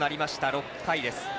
６回です。